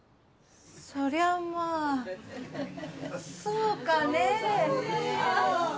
そりゃまあそうかねぇ。